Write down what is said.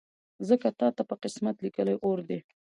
ځکه تاته په قسمت لیکلی اور دی